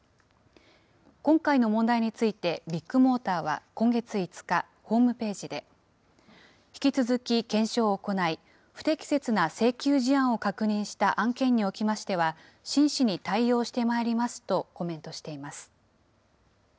今回の問題について、ビッグモーターは今月５日、ホームページで、引き続き検証を行い、不適切な請求事案を確認した案件におきましては、真摯に対応してまいりますとコメントしています。